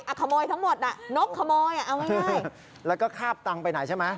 ขโมยทั้งหมดน่ะนกขโมยอ่ะเอาง่ายแล้วก็คาบตังค์ไปไหนใช่ไหม